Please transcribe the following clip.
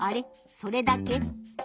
それだけ？